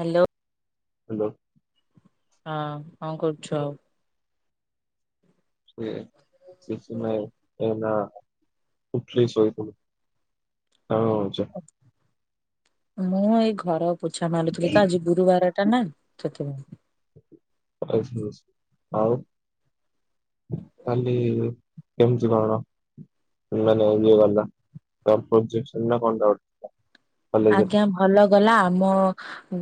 Hello. Hello. ହଁ କଣ କରୁଛ? ସେ କିଛି ନାହିଁ ଉଠିଲି ଶୋଇପଡି କଣ ହୋଉଛି? ମୁଁ ଏଇ ଘର ପୋଛା ମାରୁୁଥିଲି ତ ଆଜି ଗୁରୁବାର। ଟା ନାଁ ସେଥିପାଇଁ। ବାସ୍ ବାସ୍ ଆଉ କାଲି କେମିତି କଣ? ସୁନା ନେଇ ଯିଏ ଗଲା ସୁନା କଣ ଡାଉଟ? ଆଜ୍ଞା ଭଲ ଗଲା ଆମ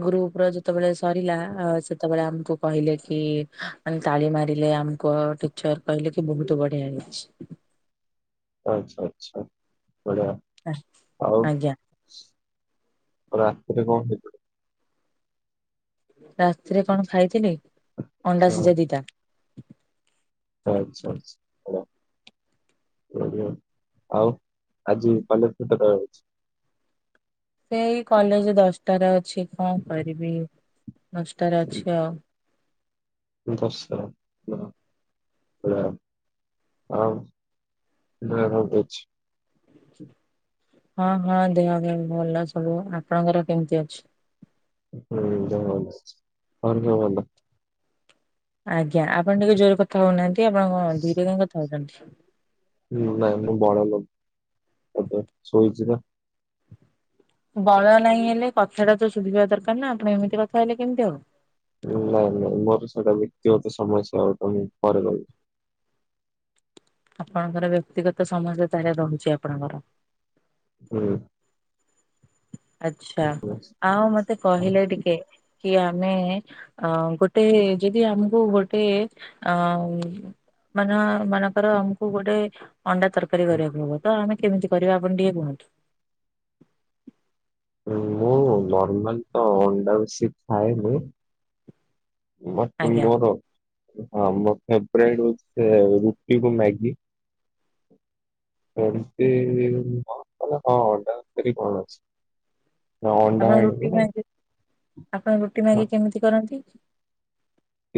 ଗ୍ରୁପ ର ଯେତେବେଳେ ସରିଲା ସେତେବେଳେ ଆମକୁ କହିଲେ କି ମାନେ ତାଳି ମାରିଲେ ଆମକୁ ଟିଚର କହିଲେ କି ବହୁତ ବଢିଆ ହେଇଛି। ଆଚ୍ଛା ଆଚ୍ଛା ବଢିଆ। ହଁ ଆଜ୍ଞା। ରାତିରେ କଣ ହେଇଥିଲା? ରାତିରେ କଣ ଖାଇଥିଲି ଅଣ୍ଡା ସିଝା ଦିଟା। ଆଚ୍ଛା ଆଛା ଭଲ। ଆଉ ଆଜି କଲେଜ କେତଟାରେ ଅଛି? ସେଇ କଲେଜ ଦଶଟାରେ ଅଛି କଣ କରିବି ଦଶଟାରେ ଅଛି ଆଉ। ଦଶଟା ହଁ। ହ୍ୟାଲୋ ଆଉ ଦେହ କେମିତି ଅଛି? ହଁ ହଁ ଦେହ ଭଲ ସବୁ। ଆପଣଙ୍କର କେମିତି ଅଛି? ହୁଁ ଦେହ ଭଲ ଅଛି। ଘରେ ସବୁ ଭଲ? ଆଜ୍ଞା ଆପଣ ଟିକେ ଜୋରରେ କଥା ହଉନାହାନ୍ତି ଆପଣ ଧୀରେ କାଇଁ କଥା ହଉଛନ୍ତି। ହୁଁ ନାଇଁ ମୁଁ ବଡ ଲୋକ ଶୋଇଛି ପା। ବଳ ନାହିଁ ହେଲେ କଥାଟା ତ ଶୁଭିବା ଦରକାର ନା ଆପଣ ଏମିତି କଥା ହେଲେ କେମିତି ହବ? ନାଇଁ ନାଇଁ ମୋର ସେଇଟା ବ୍ୟକ୍ତିଗତ ସମସ୍ୟା ପରେ କହିବି। ଆପଣଙ୍କର ବ୍ୟକ୍ତିଗତ ସମସ୍ୟା ତାହାଲେ ରହୁଛି ଆପଣଙ୍କର। ହୁଁ। ଆଚ୍ଛା। ଆଉ ମତେ କହିଲେ ଟିକେ କି ଆମେ ଅ ଗୋଟେ ଯଦି ଆମକୁ ଗୋଟେ ଅ ମାନ, ମାନଙ୍କର ଆମକୁ ଗୋଟେ ଅଣ୍ଡା ତରକାରୀ କରିବାକୁ ହବ ତ, ଆମେ କେମିତି କରିବା ଆପଣ ଟିକେ କୁହନ୍ତୁ? ମୁଁ ନର୍ମାଲ ତ ଅଣ୍ଡା ବେଶି ଖାଏନି। ମୋତେ ଆଜ୍ଞା। ମୋର ହଁ ମୋର ଫେଭୋରେଟ ହଉଛି ରୁଟି କୁ ମ୍ୟାଗି। ଏମିତି ହଁ ଅଣ୍ଡା କରି କଣ ଅଛି? ନା ଅଣ୍ଡା ଆପଣ ଆଣିବ ରୁଟି ହଁ ମ୍ୟାଗି ଆପଣ ରୁଟି ମ୍ୟାଗି କେମିତି କରନ୍ତି?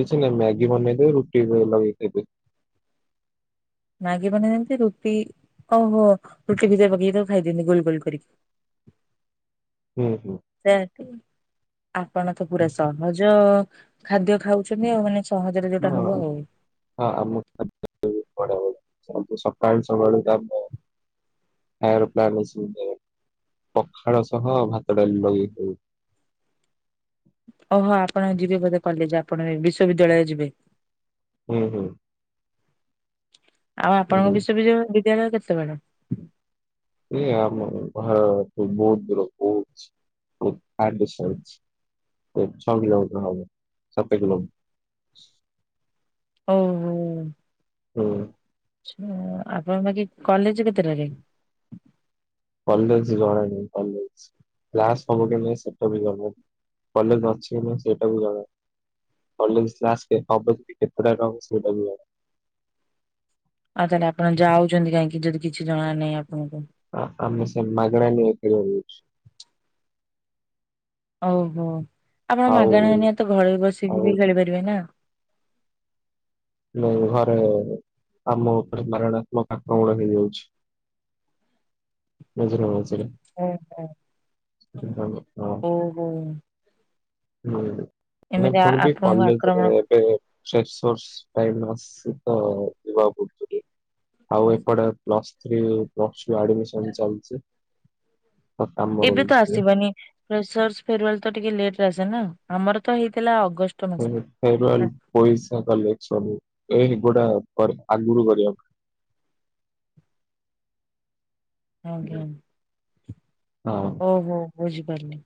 କିଛି ନାଇଁ ମ୍ୟାଗି ବନେଇଦେବି ରୁଟି ଲଗେଇ‌ ଖାଇଦେବେ। ମ୍ୟାଗି ବନେଇ ଦିଅନ୍ତି ରୁଟି ଓହୋ ରୁଟି ଭିତରେ ପକେଇ ଖାଇଦିଅନ୍ତି ଗୋଲ ଗୋଲ କରିକି। ହୁଁ ହୁଁ। ସେଇଆ ଆପଣ ତ ପୁରା ସହଜ ଖାଦ୍ୟ ଖାଉଛନ୍ତି ଆଉ ମାନେ ସହଜରେ ହଁ ଯୋଉଟା ହବ ଆଉ, ହଁ ଆମ ବହୁ [unintelligible] ବଢିଆ ବଢୁ ସକାଳୁ ସକାଳୁ ତ ଆମେ ଆଉ ଗୋଟେ ପ୍ଲାନ୍ ଅଛି ଯେ ପଖାଳ ସହ ଭାତ ଡାଲି ଲଗେଇ ଖାଇବି। ଓହୋ ଆପଣ ଯିବେ ବୋଧେ କଲେଜ ଆପଣ ବିଶ୍ୱବିଦ୍ୟାଳୟ ଯିବେ? ହୁଁ ହୁଁ। ଆଉ ଆପଣଙ୍କ ହୁଁ। ବିଶ୍ଵ ବି ବିଦ୍ୟାଳୟ କେତେବେଳେ? ଏ ଆମ ଘର ବହୁତ ଦୂର ବହୁତ୍ [unintelligible] ଛଅ କିଲୋମିଟର ହବ ସାତ କିଲୋମିର ଓ ହୋ। ହୁଁ। ଛା ଆପଣଙ୍କ ବାକି କଲେଜ କେତେଟା ରେ? କଲେଜ ଜଣଣି କଲେଜ କ୍ଲାସ୍ ହବ କି ନାଇଁ ସେଟା ବି ଜଣା ନାହିଁ କଲେଜ ଅଛି କି ନାହିଁ ସେଇଟା ବି ଜଣା ନାହିଁ। କଲେଜ୍ କ୍ଲାସ୍ ହେବ କେତେଟା ରେ ହେବ ସେଇଟା ବି ଜଣା ଆଉ ତାହେଲେ ଆପଣ ଯାଉଛନ୍ତି କାହିଁକି ଯଦି କିଛି ଜଣା ନାହିଁ ଆପଣଙ୍କୁ। ହ ଆମେ ସେ ମାଗଣା [unintelligible] ଓହୋ ଆପଣ ଆଉ ମାଗଣା ନିଆ ତ ଘରେ ଆଉ ବସିକି ବି ଖେଳି ପାରିବେ ନା। ନାଇ ଘରେ ଆମ ଉପରେ ମାରଣାତ୍ମକ ଆକ୍ରମଣ ହେଇଯାଉଛି। ମଝିରେ ମଝିରେ। ହ ହ ହ ହଁ ଓ ହୋ। ହୁଁ ଏମିତି ଆ- ପୁଣି ବି ଆପଣଙ୍କୁ କଲେଜରେ ଆକ୍ରମଣ ଏବେ ଫ୍ରେସର୍ଷ ଅସି ତ ଯିବାକୁ ପଡୁଚି ଟିକେ ଆଉ ଏପଟେ ପ୍ଲସ୍ ଥ୍ରୀ ପ୍ଲସ ଟୁ ରୁ ଆଡମିଶନ ଚାଲଛି। ଏବେ ତ ଆସିବନି ଫିସର୍ଷ ଫେରୱାଲ ତ ଟିକେ ଲେଟ ଆସେ ନା ଆମର ତ ହେଇଥିଲା ଅଗଷ୍ଟ ମାସ [unintelligible] ଏ ଗୋଟା ଆଗରୁ କରିବାକୁ ଆଜ୍ଞା। ହଁ। ଓହୋ ବୁଝିପାରିଲି।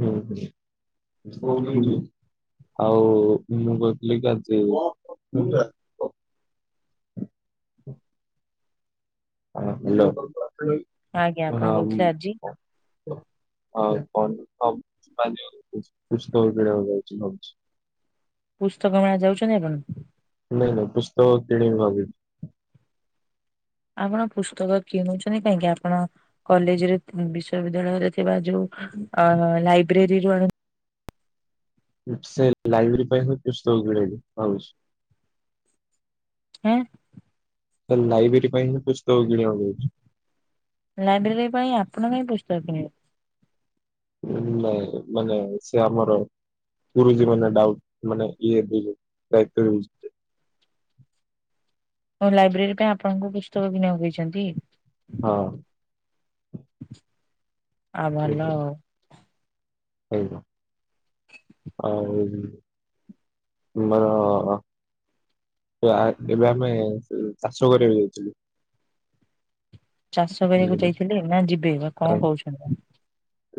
ହୁଁ ହୁଁ। [unintelligible] ଆଉ ମୁଁ କହିଥିଲି କି ଆଜି [inaudible] ଆଜ୍ଞା ହଁ ଆପଣ କହୁଥିଲେ ଆଜି ହାଲୋ ହଁ। [unintelligible] ପୁସ୍ତକ ମେଳା ଯାଉଛନ୍ତି ଆପଣ? ନାଇଁ ନାଇଁ ପୁସ୍ତକ କିଣିିବି ଭାବି ଆପଣ ପୁସ୍ତକ କିଣୁଛନ୍ତି କାହିଁକି ଆପଣ କଲେଜରେ ବିଶ୍ୱବିଦ୍ୟାଳୟରେ ଥିବା ଯୋଉ ଲାଇବ୍ରେରୀରୁୁ ଆଣୁ। ସେ ଲାଇବ୍ରେରୀ ପାଇଁ ହୁଏତ ପୁସ୍ତକ ମିଳେନି ଭାବୁଛି। ଏନ୍। ତା ଲାଇବ୍ରେରୀ ପାଇଁ ହିଁ ପୁସ୍ତକ କିଣିବାକୁ ଯାଉଛୁ। ଲାଇବ୍ରେରୀ ପାଇଁ ଆପଣ କାଇଁ ପୁସ୍ତକ କିଣିବେ? ନାଇଁ ମାନେ ସେ ଆମର ଗୁରୁଜୀ ମାନେ ଡାଉଟ ମାନେ ଇଏବି ଦାୟିତ୍ୱ ନେଇଚି। ମୋ ଲାଇବ୍ରେରୀ ପାଇଁ ଆପଣଙ୍କୁ ପୁସ୍ତକ କିଣିବାକୁ ଦେଇଚନ୍ତି? ହଁ। ଆ ଭଲ ଆଉ। ଆଜ୍ଞା ଆଉ ମୋର ଏବେ ଆମେ ଚାଷ କରିବା ଯାଇଥିଲୁ। ଚାଷ କରିବାକୁ ଯାଇଥିଲେ ନା ଯିବେ ବା ଆ, କଣ କହୁଛନ୍ତି ବା?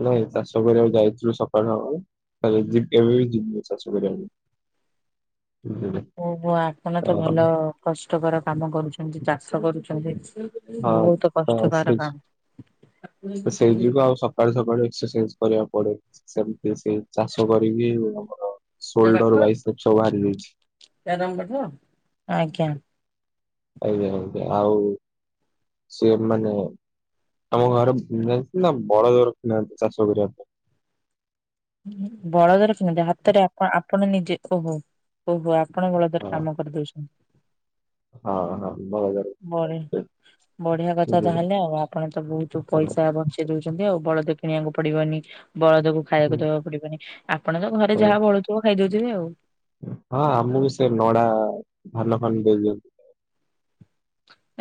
ନାଇଁ ଚାଷ କରିବାକୁ ଯାଇଥିଲୁ ସକାଳୁ ସକାଳୁ କେବେବି ଯିବୁନି ଚାଷ କରିବାକୁ ଓହୋ ଆପଣ ତ ଭଲ କଷ୍ଟକର କାମ କରୁଛନ୍ତି ଚାଷ କରୁଚ ହଁ ବହୁତ ତ କଷ୍ଟକର ସେ କାମ କାଲି ସକାଳୁ ଏକ୍ସରସାଇଜ କରିବାକୁ ପଡେ ସେମିତି ସେ ଚାଷ କରିକି ସୋଲ୍ଡର ବାଇଶି ରେ ଛ ବାହାରି ଯାଇଛି। ୟା ଆଜ୍ଞା ଆଜ୍ଞା ଆଜ୍ଞା ଆଉ। ସେ ମାନେ ଆମ ଗାଁରେ [unintelligible] ନା ବଳଦ ରଖିନାହାନ୍ତି ଚାଷ କରିବା ପାଇଁ। ବଳଦ ରଖିନାହାନ୍ତି ହାତରେ ଆପ ଆପଣ ନିଜେ ଓହୋ ଓହୋ ଆପଣ ବଳଦରେ ହଁ କାମ କରିଦଉଛନ୍ତି। ହଁ ହଁ। ବଳଦ ବଢ଼ି ରଖିଛନ୍ତି। ବଢ଼ିଆ କଥା ବୁଝିଲେ? ତାହେଲେ ଆଉ ଆପଣ ତ ବହୁତ ହଁ ପଇସା ବଞ୍ଚେଇ ବଞ୍ଚେଇ ଦଉଛନ୍ତି ଆଉ ବଳଦ କିଣିବାକୁ ପଡ଼ିବନି ବଳଦକୁୁ ହୁଁ, ଖାଇବାକୁ ଦେବାକୁ ପଡ଼ିବନି। ଆପଣ ଙ୍କ ଘରେ ହୁଁ। ଯାହା ବଳୁଥିବ ଖାଇଦଉଥିବେ ଆଉ। ହଁ ଆମକୁ ବି ସେ ନଡ଼ା ଧାନ ଫାନ ଦେଇ ଦିଅନ୍ତି।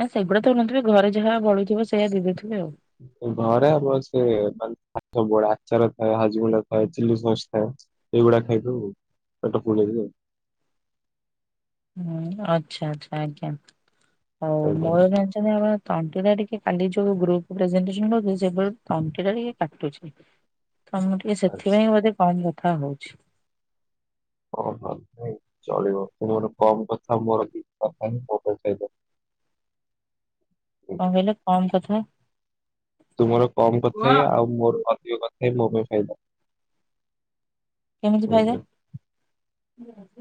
ନା ସେଗୁଡ଼ାକ ତ ଦେଉନଥିବେ ଘରେ ଯାହା ବଳୁଥିବ ସେଇଆ ଦେଇ ଦେଉଥିବେ ଆଉ। ଘରେ ଆମର ସେ ସବୁଗୁଡ଼ା ଆଚାର ଥାଏ ହଜମୁଲା ଥାଏ ଚିଲି ସସ ଥାଏ। ସେଇଗୁଡ଼ା ଖାଇଦବୁ ପେଟ ଫୁଲ ହେଇ ଯିବ। ହୁଁ ଅଚ୍ଛା ଆଚ୍ଛା ଆଜ୍ଞା ଆଉ ଆଜ୍ଞା ମୋର ଜାଣିଛନ୍ତି ଆମର ତଣ୍ଟିଟା ଟିକେ କାଲି ଯୋଉ ଗ୍ରୁପ୍ [unintelligible] ତଣ୍ଟି ଟା ଟିକେ କାଟୁଛି। ତମେ ଟିକେ ଆଚ୍ଛା। ସେଥିପାଇଁ ବୋଧେ କମ୍ କଥା ହଉ। ହଁ ଭଲ ନାଇଁ ଚଳିବ ତୁ ମୋର ଗୋଟେ କମ କଥା ମୋର କି [unintelligible] କଣ ବୁଝିଲେ? କହିଲେ କମ କଥା ତୁମର କମ କଥା ହେଇ କେମିତି ଆଉ ମୋର ଅଧିକ କଥା ହେଇ ମୋ ପାଇଁ ଫାଇଦା। କେମିତି ଫାଇଦା?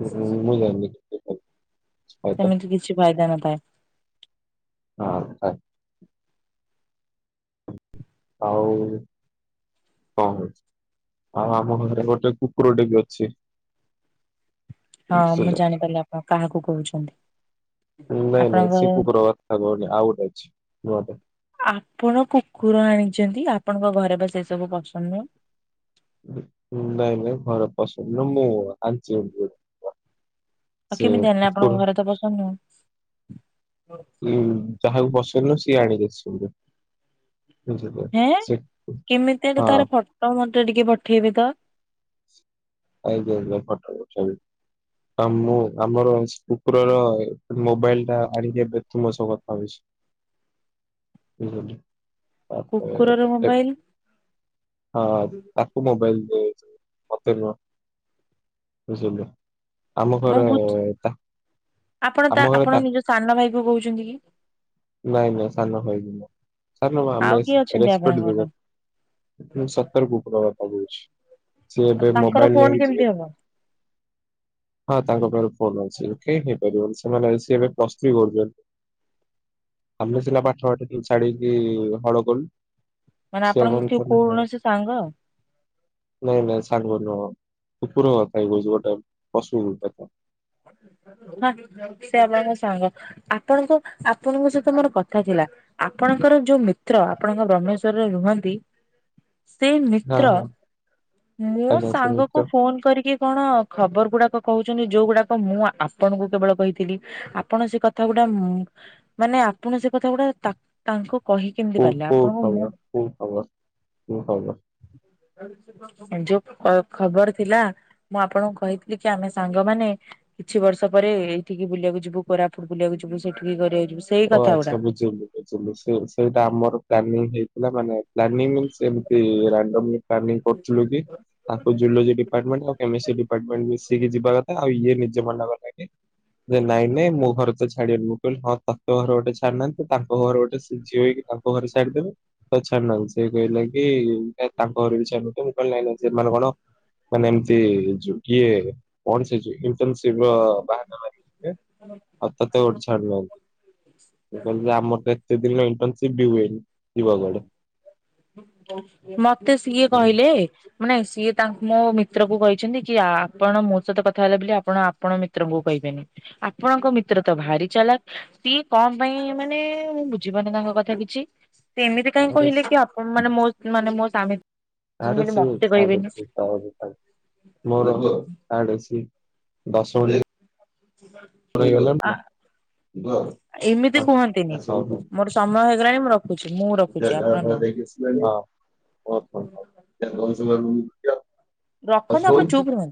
ଉଁ ମୁଁ ଜାଣିନି। କେତେ ଫାଇଦା ଫାଇଦା। ସେମିତି କିଛି ଫାଇଦା ନଥାଏ। ହଁ ହ। ଆଉ। [unintelligible] ଆଉ ଆମ ଘରେ ଗୋଟେ କୁକୁରଟେ ବି ଅଛି। ହଁ ମୁଁ ବୁଝିଲେ। ଜାଣିପାରିଲି ଆପଣ କାହାକୁ କହୁଛନ୍ତି? ନାଇଁ ନାଇଁ ଆପଣଙ୍କର ସେ କୁକୁର କଥା କହୁନି ଆଉ ଗୋଟେ ଅଛି ନୁଆଟେ। ଆପଣ କୁକୁର ଆଣିଛନ୍ତି ଆପଣଙ୍କ ଘରେ ବା ସେ ସବୁ ପସନ୍ଦ ନୁହଁ। ନାଇଁ ନାଇଁ ଘର ପସନ୍ଦ ନୁଅ ମୁଁ ଆଣିଛି ଗୋଟେ ଆଉ ସେ କେମିତି ଆଣିଲେ ଆପଣଙ୍କ କୁକୁର। ଘରେ ତ ପସନ୍ଦ ନୁହଁ ଯାହାକୁ ପସନ୍ଦ ନୁହଁ ସିଏ ଆଣିକି ଆସିବ। ହେଁ କେମିତି ଆଗେ ହଁ ତାର ଫଟ ମୋତେ ଟିକେ ପଠେଇବେ ତ। ଆଜ୍ଞା ଆଜ୍ଞା ଫଟୋ ପଠେଇବି। ତ ମୁଁ ଆମର କୁକୁରର ମୋବାଇଲଟା ଆଣିକି ଏବେ ତମ ସହ କଥା ହୋଉଛି। ବୁଝିଗଲି। ଆ [inaudible] କୁକୁରର ହଁ। [unintelligible] ମୋବାଇଲ ତାକୁ ମୋବାଇଲ ଦିଆହେଇଚି ମତେ ନୁହଁ। ବୁଝିଲେ ମୁଁ ଆମଘର ବୁଝ ତା ଆପଣ ତା ଆମଘର ଆପଣ ପା ନିଜ ସାନ ଭାଇକୁ କୋହୁଚନ୍ତି କି? ନାଇଁ ନାଇଁ ସାନ ଭାଇ ନୁହଁ ସାନ ଭାଇ ଆଉ ଆମେ ରେସ୍ କିଏ ଅଛନ୍ତି ରେସପେକ୍ଟ ଆପଣଙ୍କର? ଦୋବୁ। ମୁଁ ସତରେ କୁକୁର ବାପା କୋହୁଛି ସିଏ ଏବେ ତାଙ୍କର ମୋବାଇଲ ଫୋନ ନେଇକି କେମିତି ଯିବେ ହବ ହଁ ତାଙ୍କ ପାଖରୁ ଫୋନ୍ ଅଛି ଓକେ ହେଇପାରିବନି ସେ ମାନେ ସିଏ ଏବେ ପ୍ଲସ ଥ୍ରୀ କରୁଚନ୍ତି। ଆମେ ସିନା ପାଠ ଫାଠ ଟିକେ ଛାଡ଼ିକି ହଳ କଲୁ। ମାନେ ସିଏ ଆପଣଙ୍କ କଣ କିଏ କଲେ କୌଣସି ସାଙ୍ଗ? ନାଇଁ ନାଇଁ ସାଙ୍ଗ ନୁହଁ କୁକୁର କାଇଁ କୋହୁଚି ଗୋଟେ ପଶୁଟେ। ହଁ ସେ ଆପଣଙ୍କ ସାଙ୍ଗ। ଆପଣଙ୍କ ଆପଣଙ୍କ ସହିତ ମୋର କଥା ଥିଲା। ଆପଣଙ୍କର ଯୋଉ ମିତ୍ର ଆପଣଙ୍କ ବ୍ରହ୍ମେଶ୍ଵରରେ ରୁହନ୍ତି ସେ ହଁ ମିତ୍ର ହଁ ମୋ ଆଜ୍ଞା ସେମିତି ସାଙ୍ଗକୁ ତ ଫୋନ କରିକି କଣ ଖବର ଗୁଡ଼ାକ କୋହୁଚନ୍ତି ଯୋଉଗୁଡ଼ା କ ମୁଁ ଆପଣଙ୍କୁ କେବଳ କହିଥିଲି ଆପଣ ସେ କଥା ଗୋଡା ମୁ ମାନେ ଆପଣ ସେ କଥାଗୁଡ଼ାକ ତା ତାଙ୍କୁ କହି କେମିତି କୋଉ ପାରିଲେ କୋଉ ଆପଣଙ୍କୁ ମୁଁ ଖବର କୋଉ ଖବର କୋଉ ଖବର। ଯୋଉ କ ଖବର ଥିଲା ମୁଁ ଆପଣଙ୍କୁ କହିଥିଲି କି ଆମେ ସାଙ୍ଗମାନେ କିଛି ବର୍ଷ ପରେ ଏଇଠିକି ବୁଲିବାକୁ ଯିବୁ କୋରାପୁଟ ବୁଲିବାକୁ ଯିବୁ ସେଠିକି କରିବାକୁ ଯିବୁ ସେ ଓ ଆଚ୍ଛା ବୁଝିଲୁ ବୁଝିଲୁ ସେ ସେଇଟା ଆମର ପ୍ଲାନିଂ ହେଇଥିଲା ମାନେ ପ୍ଲାନିଙ୍ଗ୍ ସେମତି ରାଣ୍ଡମଲି ପ୍ଲାନିଙ୍ଗ କରୁଥିଲୁ କି ତାଙ୍କ ଜୁଲୋଜି ଡିପାର୍ମେଣ୍ଟ ଆଉ କେମିଷ୍ଟ୍ରି ଡିପାର୍ମେଣ୍ଟ ମିଶିକି ଯିବା କ ଆଉ ଇଏ ନିଜେ ମନ କଥା କି ଯେ ନାଇଁ ନାଇଁ ମୋ ଘରେ ତ ଛାଡିିବେନି ମୁଁ କହିଲି ହଁ ତ ତୋ ଘରେ ଗୋଟେ ଛାଡି ନାହାନ୍ତି ତାଙ୍କ ଘର ଗୋଟେ ସିଏ ଝିଅ ହୋଇକି ତାଙ୍କ ଘରେ ଗୋଟେ ଛାଡ଼ିଦେବେ। ତ ଛାଡୁନାହାନ୍ତି ସେ କହିଲା କି କା ତାଙ୍କ ଘରେ ବି ଛାଡିବେନି ତ ମୁଁ କହିଲି ନାଇଁ ନାଇଁ ସେମାନେ କଣ ମାନେ ଏମତି ଯୋଉ କିଏ କଣ ସେ ଯୋଉ ଇଣ୍ଟନସିପର ବାହାରଟା ମାରି [unintelligible] ଆଉ ତତେ ଗୋଟେ ଛାଡୁନାହାନ୍ତି। ସେ କହିଲା ଆମର ତ ଏତେ ଦିନ ଇଣ୍ଟନସିପ ବି ହୁଏନି ଯିବ କୁଆଡେ। ମତେ ସିଏ କହିଲେ ମାନେ ସିଏ ତାଙ୍କୁ ମୋ ମିତ୍ରକୁ କହିଛନ୍ତି କି ଆପଣ ମୋ ସହିତ କଥା ହେଲା ବୋଲି ଆପଣ ଆପଣ ମିତ୍ରଙ୍କୁ କହିବେନି। ଆପଣଙ୍କ ମିତ୍ର ତ ଭାରି ଚାଲାକ କି କଣ ପାଇଁ ମାନେ ମୁଁ ବୁଝିପାରୁନି ତାଙ୍କ କଥା କିଛି ସିଏ ଏମିତି କାଇଁ ତାପରେ କହିଲେ କି ଆପଣ ମାନେ ମୋ ମାନେ ମୋ ସାମୀ ଆରେ ବୋଲି ସିଏ ମତେ କହିବେନି। [unintelligible] ମୋର ଆଡ ଅଛି ଦଶ [unintelligible] ଗଲା ଆ ଏମିତି କୁହନ୍ତିନି ମୋର ସମୟ ହେଇଗଲାଣି ମୁଁ ରଖୁଚୁ ମୁଁ ରଖୁଚି ଆପଣ ତ ଏବେ ନୁହଁ। ବି କିଛି ନାହିଁ ଓ ହୋ ହୋ ହୋ [unintelligible] ରଖନ୍ତୁ ଆପଣ ଚୁପ୍ ରୁହନ୍ତୁ।